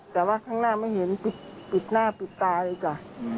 แต่ว่าข้างหน้าไม่เห็นปิดหน้าปิดตาเลยจ้ะ